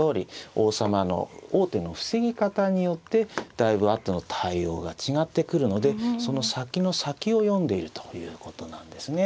王様の王手の防ぎ方によってだいぶ後の対応が違ってくるのでその先の先を読んでいるということなんですね。